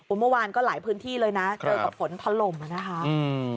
อุบันเมื่อวานก็หลายพื้นที่เลยนะเกิดกับฝนทะลมนะครับ